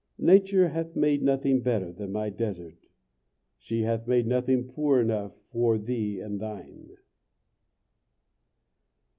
Nature hath made nothing better than my desert; she hath made nothing poor enough for thee and thine.